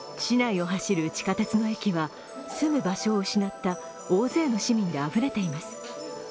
市内を走る地下鉄の駅は住む場所を失った大勢の市民であふれています。